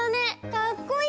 かっこいい！